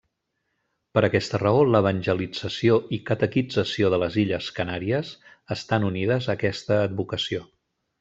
Per aquesta raó l'evangelització i catequització de les illes Canàries estan unides a aquesta advocació.